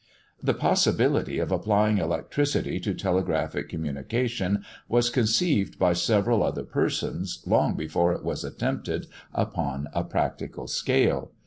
The possibility of applying electricity to telegraphic communication was conceived by several other persons, long before it was attempted upon a practical scale.